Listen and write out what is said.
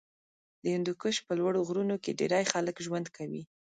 د هندوکش په لوړو غرونو کې ډېری خلک ژوند کوي.